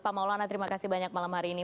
pak maulana terima kasih banyak malam hari ini